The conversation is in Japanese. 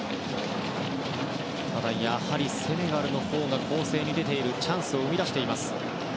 ただ、セネガルが攻勢に出ているチャンスを生み出しています。